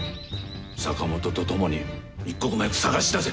坂本とともに一刻も早く捜し出せ。